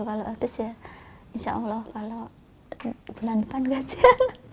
kalau habis ya insya allah kalau bulan depan gajah